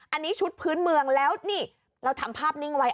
อันนี้ชุดพื้นเมืองแล้วนี่เราทำภาพนิ่งไว้